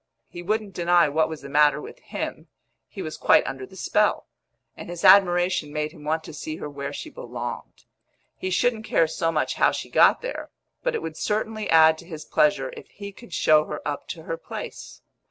He wouldn't deny what was the matter with him; he was quite under the spell, and his admiration made him want to see her where she belonged. He shouldn't care so much how she got there, but it would certainly add to his pleasure if he could show her up to her place.